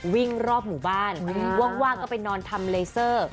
วิ่งรอบหมู่บ้านว่างก็ไปนอนทำเลเซอร์